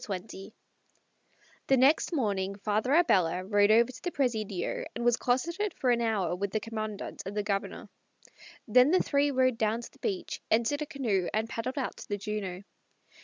XX The next morning Father Abella rode over to the Presidio and was closeted for an hour with the Commandante and the Governor. Then the three rode down to the beach, entered a canoe, and paddled out to the Juno.